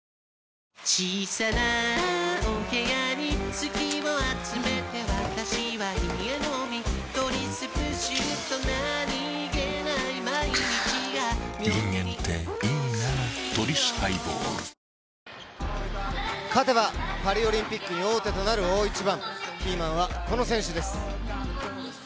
「トリスハイボール」勝てばパリオリンピックに王手となる大一番、キーマンはこの選手です。